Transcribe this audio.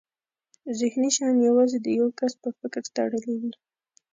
ذهني شیان یوازې د یو کس په فکر تړلي وي.